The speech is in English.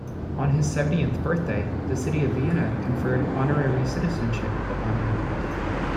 On his seventieth birthday the city of Vienna conferred honorary citizenship upon him.